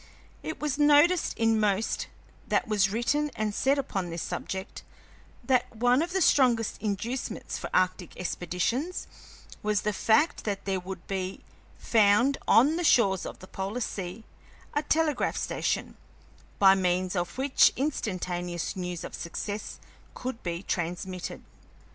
It was noticed in most that was written and said upon this subject that one of the strongest inducements for arctic expeditions was the fact that there would be found on the shores of the polar sea a telegraph station, by means of which instantaneous news of success could be transmitted.